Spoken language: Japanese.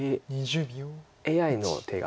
ＡＩの手が。